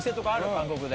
韓国で。